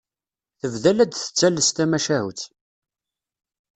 Tebda la d-tettales tamacahut.